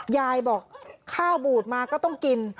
ยายบอกข้าวบูดมาก็ต้องกิน